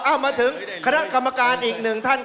เอ้ามาถึงคณะกรรมการอีก๑ท่าน